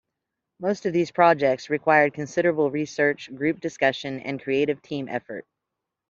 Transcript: Most of these projects required considerable research, group discussion, and creative team effort.